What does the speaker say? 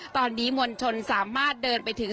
ตอนนี้มวลชนสามารถเดินไปถึง